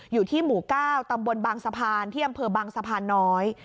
อยู่ที่หมู่๙ตำบลบางสะพานที่อำเภอบางสะพานน้อย